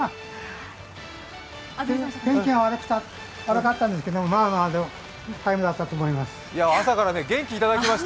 天気が悪かったんですけどまあまあのタイムだったと思います。